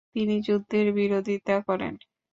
তিনি যুদ্ধের বিরোধিতা করেন।